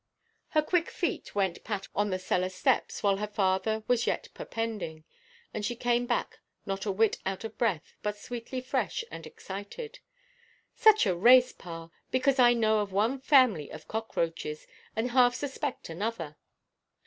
Her quick feet went pat on the cellar–steps, while her father was yet perpending; and she came back not a whit out of breath, but sweetly fresh and excited. "Such a race, pa; because I know of one family of cockroaches, and half suspect another.